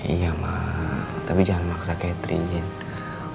iya mah tapi jangan maksa catherine